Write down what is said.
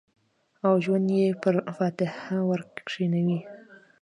او ژوند یې پر فاتحه ورکښېنوی